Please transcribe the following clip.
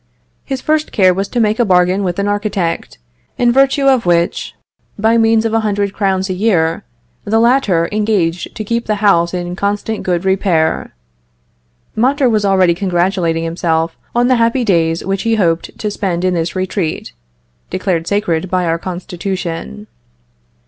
His first care was to make a bargain with an architect, in virtue of which, by means of a hundred crowns a year, the latter engaged to keep the house in constant good repair. Mondor was already congratulating himself on the happy days which he hoped to spend in this retreat, declared sacred by our Constitution.